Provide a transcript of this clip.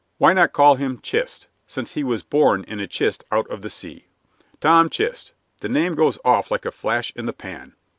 "Why not call him 'Chist,' since he was born in a chist out of the sea? 'Tom Chist' the name goes off like a flash in the pan."